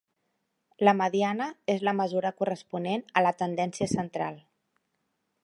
La mediana és la mesura corresponent a la tendència central.